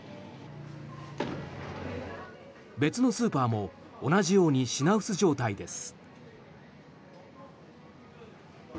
別のスーパーも同じように品薄状態です。